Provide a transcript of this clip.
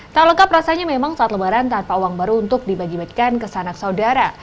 tak lengkap rasanya memang saat lebaran tanpa uang baru untuk dibagi bagikan ke sanak saudara